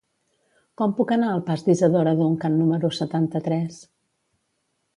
Com puc anar al pas d'Isadora Duncan número setanta-tres?